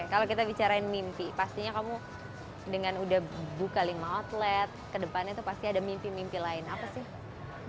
kalau kita bicarain mimpi pastinya kamu dengan udah buka lima outlet kedepannya tuh pasti ada mimpi mimpi lain apa sih